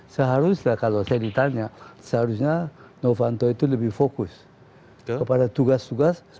seharusnya kalau saya ditanya seharusnya novanto itu lebih fokus kepada tugas tugas